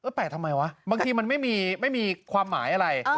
แปลกทำไมวะบางทีมันไม่มีความหมายอะไร